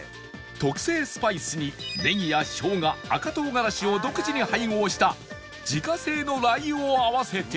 特製スパイスにネギや生姜赤唐辛子を独自に配合した自家製のラー油を合わせて